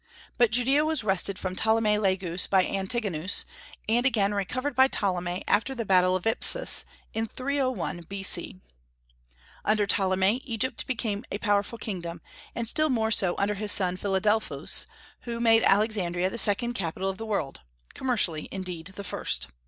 But Judaea was wrested from Ptolemy Lagus by Antigonus, and again recovered by Ptolemy after the battle of Ipsus, in 301 B.C. Under Ptolemy Egypt became a powerful kingdom, and still more so under his son Philadelphus, who made Alexandria the second capital of the world, commercially, indeed, the first.